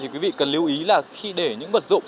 thì quý vị cần lưu ý là khi để những vật dụng